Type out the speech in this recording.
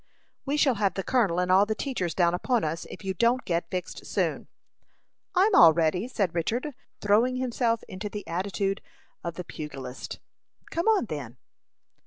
"We shall have the colonel and all the teachers down upon us, if you don't get fixed soon." "I'm all ready," said Richard, throwing himself into the attitude of the pugilist. "Come on, then."